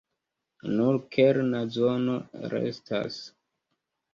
Nur kerna zono restas.